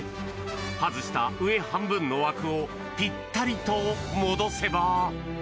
外した上半分の枠をぴったりと戻せば。